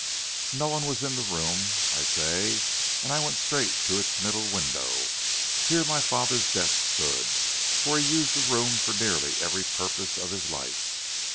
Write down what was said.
"No one was in the room, I say, and I went straight to its middle window. Here my father's desk stood, for he used the room for nearly every purpose of his life.